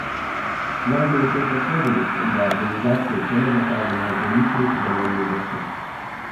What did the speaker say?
Важно учесть особенность, когда организации целенаправленно ограничивают удаленный доступ